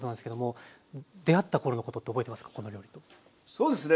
そうですね。